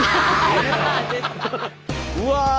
うわ！